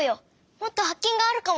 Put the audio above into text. もっとはっけんがあるかも！